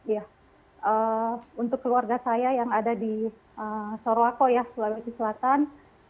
ya untuk keluarga saya yang ada di sorowako ya sulawesi selatan